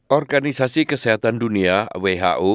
organisasi kesehatan dunia who